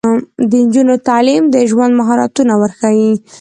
د نجونو تعلیم د ژوند مهارتونه ورښيي.